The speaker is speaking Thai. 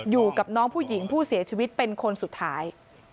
อยู่กับน้องผู้หญิงผู้เสียชีวิตเป็นคนสุดท้าย